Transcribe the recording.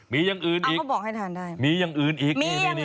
มีอย่างอื่นอีกมีอย่างอื่นอีก